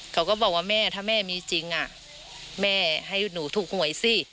เขาก็บอกว่าแม่ถ้าแม่มีจริงแม่ให้หนูถูกหวยสิ